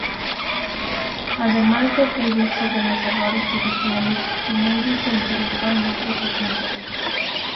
Además de escribir sobre los errores judiciales, Kennedy se interesó en otros asuntos.